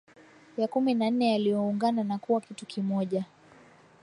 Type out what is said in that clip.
ya kumi na nane yaliyoungana na kuwa kitu kimoja